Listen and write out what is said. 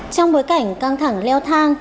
trong bối cảnh căng thẳng leo thang